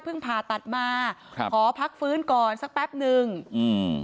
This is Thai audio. ผ่าตัดมาครับขอพักฟื้นก่อนสักแป๊บหนึ่งอืม